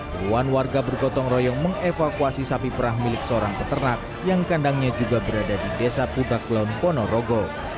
puluhan warga bergotong royong mengevakuasi sapi perah milik seorang peternak yang kandangnya juga berada di desa pudaklon ponorogo